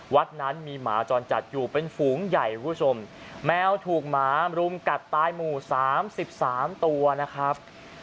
วัดนั้นมีหมาจรจัดอยู่เป็นฝูงใหญ่แมวถูกหมารุมกัดตายหมู่๓๓ตัวนะครับ